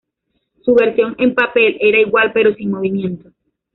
Su versión en papel era igual pero sin movimiento.